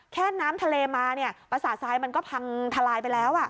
แค่น้ำทะเลมาปราศาสตรายมันก็พังทลายไปแล้ว